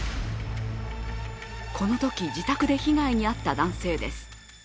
このとき、自宅で被害に遭った男性です。